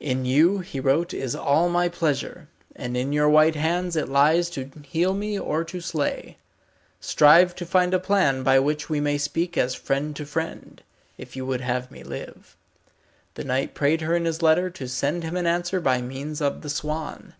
In you he wrote is all my pleasure, and in your white hands it lies to heal me or to slay. Strive to find a plan by which we may speak as friend to friend, if you would have me live. The knight prayed her in his letter to send him an answer by means of the swan.